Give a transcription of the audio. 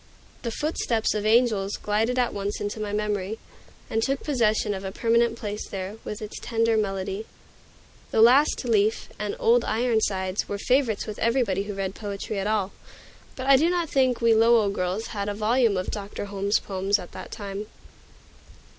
The "Footsteps of Angels" glided at once into my memory, and took possession of a permanent place there, with its tender melody. "The Last Leaf" and "Old Ironsides" were favorites with everybody who read poetry at all, but I do not think we Lowell girls had a volume of Dr. Holmes's poems at that time.